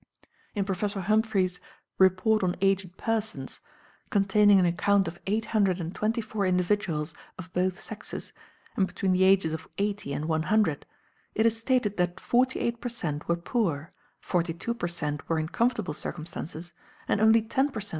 In Prof. Humphry's "Report on Aged Persons," containing an account of eight hundred and twenty four individuals of both sexes, and between the ages of eighty and one hundred, it is stated that forty eight per cent. were poor, forty two per cent. were in comfortable circumstances, and only ten per cent.